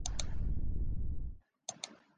司职中坚。